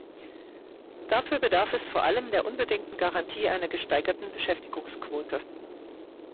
Dafür bedarf es vor allem der unbedingten Garantie einer gesteigerten Beschäftigungsquote.